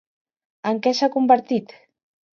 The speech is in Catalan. En què s'ha convertit?